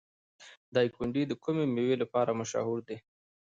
دایکنډي د کومې میوې لپاره مشهور دی؟